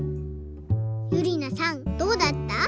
ゆりなさんどうだった？